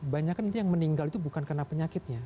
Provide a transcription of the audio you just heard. banyak kan yang meninggal itu bukan karena penyakitnya